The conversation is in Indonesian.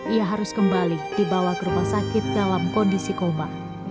ia harus kembali di bawah grup sakit dalam kondisi koma